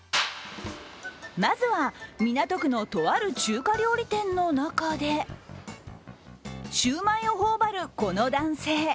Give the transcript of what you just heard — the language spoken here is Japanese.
まずは港区の、とある中華料理店の中でシュウマイを頬ばるこの男性。